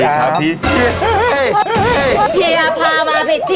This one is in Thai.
พี่พามาผิดจีนใช่ไหม